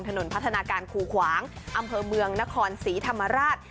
ถนนพัฒนาการคูขวางอำเภอเมืองนครศรีธรรมราช